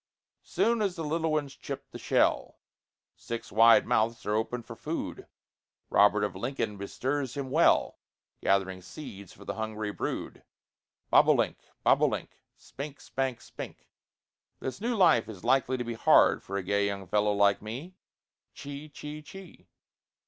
Soon as the little ones chip the shell, Six wide mouths are open for food; Robert of Lincoln bestirs him well, Gathering seeds for the hungry brood. Bob o' link, bob o' link, Spink, spank, spink; This new life is likely to be Hard for a gay young fellow like me. Chee, chee, chee.